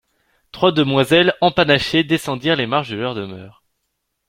Trois demoiselles empanachées descendirent les marches de leur demeure.